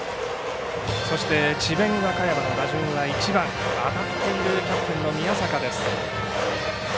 そして智弁和歌山の打順は１番、当たっているキャプテンの宮坂です。